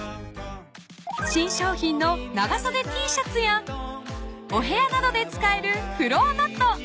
［新商品の長そでＴシャツやお部屋などで使えるフロアマット］